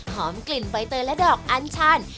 หอมกลิ่นใบเตอร์และดอกอันชัน